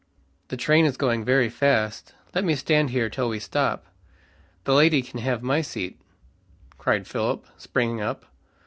"The train is going very fast, let me stand here till we stop." "The lady can have my seat," cried Philip, springing up.